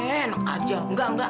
enak aja enggak enggak